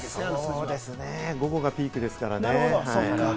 そうですね、午後がピークですからね。